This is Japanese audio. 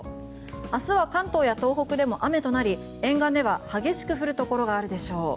明日は関東や東北でも雨となり沿岸では激しく降るところがあるでしょう。